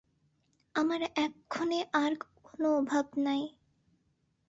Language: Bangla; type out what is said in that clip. আমার এক্ষণে আর কোন অভাব নাই।